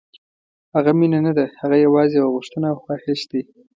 هغه مینه نه ده، هغه یوازې یو غوښتنه او خواهش دی.